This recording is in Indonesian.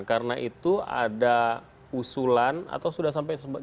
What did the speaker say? karena itu ada usulan atau sudah sampai jauh mana pak